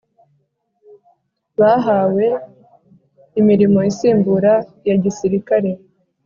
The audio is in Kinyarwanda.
bahawe imirimo isimbura iya gisirikare